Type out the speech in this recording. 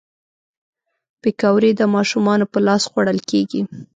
پکورې د ماشومانو په لاس خوړل کېږي